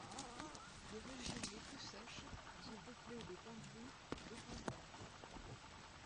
Les régions les plus sèches sont pleuplées de pin gris de pin blanc.